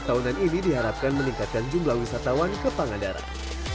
tahunan ini diharapkan meningkatkan jumlah wisatawan ke pangandaran